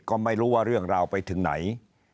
ก็ไม่รู้ว่าเรื่องราวไปถึงไหน